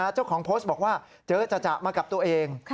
เจ้าของโพสต์บอกว่าเจอจ่ะมากับตัวเอง